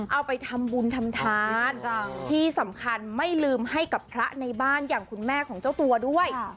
เอาไปทำบุญทำทานที่สำคัญไม่ลืมให้กับพระในบ้านอย่างคุณแม่ของเจ้าตัวด้วย